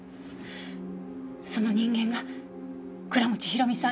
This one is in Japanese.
その人間が倉持広美さん